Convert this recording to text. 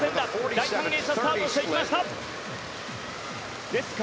第３泳者スタートしていきました。